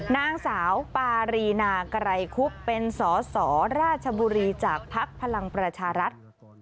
นางสาวปารีนาไกรคุบเป็นสสราชบุรีจากภักดิ์พลังประชารัฐ